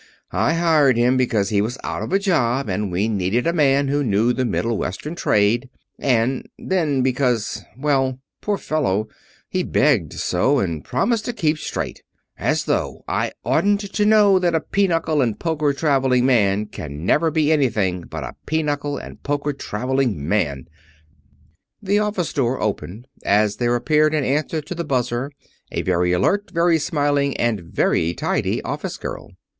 I hired him because he was out of a job and we needed a man who knew the Middle Western trade, and then because well, poor fellow, he begged so and promised to keep straight. As though I oughtn't to know that a pinochle and poker traveling man can never be anything but a pinochle and poker traveling man " The office door opened as there appeared in answer to the buzzer a very alert, very smiling, and very tidy office girl.